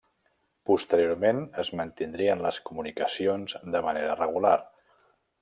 Posteriorment es mantindrien les comunicacions de manera regular.